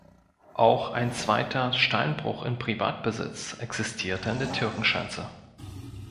Auch ein zweiter Steinbruch in Privatbesitz existierte an der Türkenschanze.